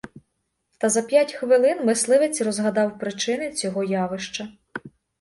Та за п'ять хвилин мисливець розгадав причини цього явища.